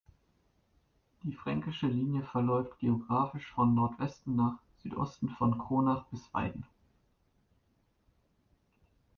Die Fränkische Linie verläuft geografisch von Nordwesten nach Südosten von Kronach bis Weiden.